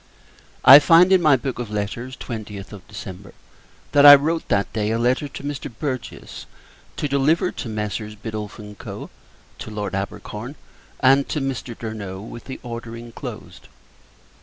I find, in my book of letters, 20th of December, that I wrote, that day, a letter to Mr. Burgess, to deliver to Messieurs Biddulph and Co. to Lord Abercorn and to Mr. Durno, with the order inclosed.